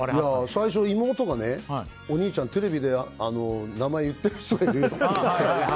最初妹がねお兄ちゃんテレビで名前言ってる人がいるって。